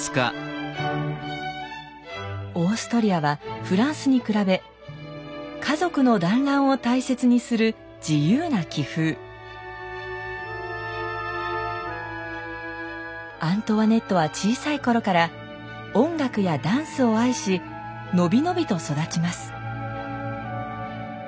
オーストリアはフランスに比べ家族の団らんを大切にするアントワネットは小さい頃から音楽やダンスを愛し伸び伸びと育ちます。